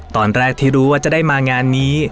ตอนแรกที่รู้ว่าจะได้มางานนี้